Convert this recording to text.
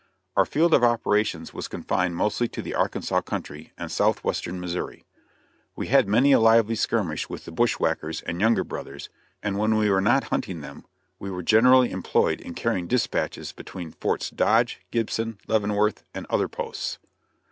Our field of operations was confined mostly to the Arkansas country and southwestern Missouri. We had many a lively skirmish with the bushwhackers and Younger brothers, and when we were not hunting them, we were generally employed in carrying dispatches between Forts Dodge, Gibson, Leavenworth, and other posts.